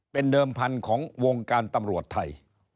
เป็นเดิมพันธุ์ของวงการตำรวจไทย